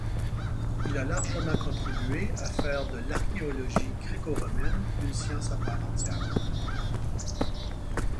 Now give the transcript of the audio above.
Il a largement contribué à faire de l'archéologie gréco-romaine une science à part entière.